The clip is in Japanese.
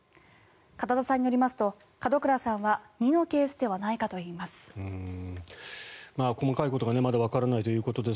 片田さんによりますと門倉さんは２のケースではないかといいます。